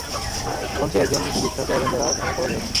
এখন সে একজন বিখ্যাত অ্যাভেঞ্জার আর আমার কলও ধরে না।